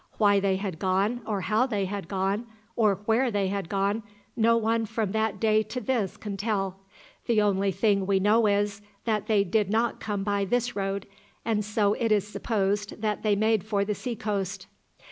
Why they had gone, or how they had gone, or where they had gone, no one from that day to this can tell. The only thing we know is, that they did not come by this road, and so it is supposed that they made for the sea coast.